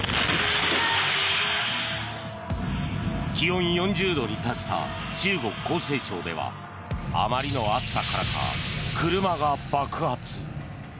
気温４０度に達した中国・江西省ではあまりの暑さからか車が爆発。